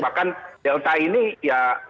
bahkan delta ini ya